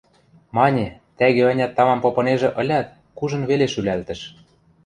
– Мане, – тӓгӱ-ӓнят тамам попынежӹ ылят, кужын веле шӱлӓлтӹш.